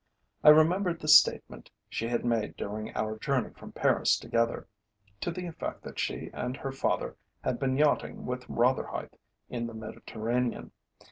I remembered the statement she had made during our journey from Paris together, to the effect that she and her father had been yachting with Rotherhithe in the Mediterranean.